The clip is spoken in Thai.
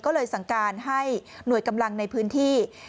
ก็เลยสั่งการให้หน่วยกำลังในพื้นที่